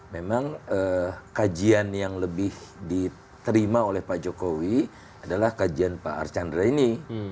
memang kajian yang lebih diterima oleh pak jokowi adalah kajian pak archandra ini